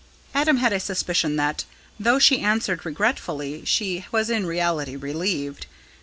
Adam had a suspicion that, though she answered regretfully, she was in reality relieved.